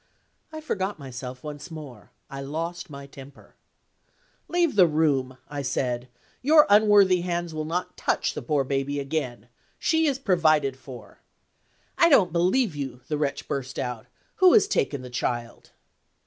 I forgot myself once more I lost my temper. "Leave the room," I said. "Your unworthy hands will not touch the poor baby again. She is provided for." "I don't believe you!" the wretch burst out. "Who has taken the child?"